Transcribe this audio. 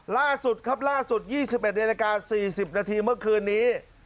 ล่าสุดครับล่าสุด๒๑นาฬิกา๔๐นาทีเมื่อคืนนี้